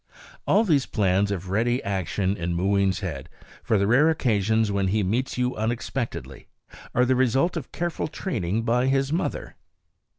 All these plans of ready action in Mooween's head, for the rare occasions when he meets you unexpectedly, are the result of careful training by his mother.